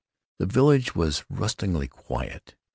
The village was rustlingly quiet.